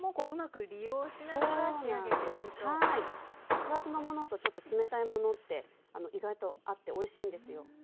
熱々のものとちょっと冷たいものって意外と合っておいしいんですよ。